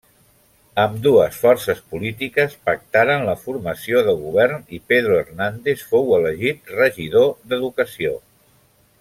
Ambdues forces polítiques pactaren la formació de govern i Pedro Hernández fou elegit regidor d'educació.